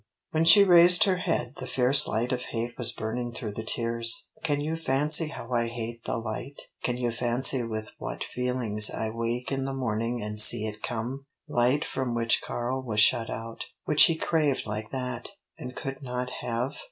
When she raised her head the fierce light of hate was burning through the tears. "Can you fancy how I hate the light? Can you fancy with what feelings I wake in the morning and see it come light from which Karl was shut out which he craved like that and could not have?